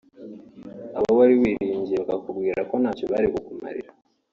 abo wari wiringiye bakakubwira ko ntacyo bari bukumarire